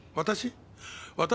私？